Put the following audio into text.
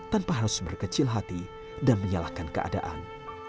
tanpa harus berkecil hati dan menyalahkan keadaan